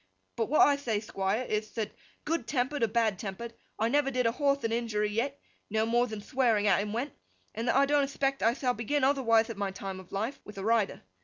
But what I thay, Thquire, ith, that good tempered or bad tempered, I never did a horthe a injury yet, no more than thwearing at him went, and that I don't expect I thall begin otherwithe at my time of life, with a rider.